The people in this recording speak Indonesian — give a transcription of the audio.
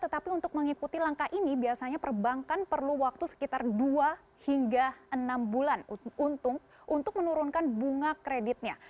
tetapi untuk mengikuti langkah ini biasanya perbankan perlu waktu sekitar dua hingga enam bulan untuk menurunkan bunga kreditnya